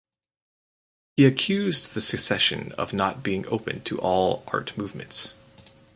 He accused the Secession of not being open to all art movements.